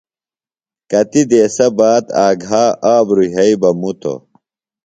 کتیۡ دیسہ باد آگھا آبرُوۡ یھئی بہ مُتوۡ۔